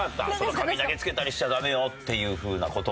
「紙投げつけたりしちゃダメよ」っていう風な事を。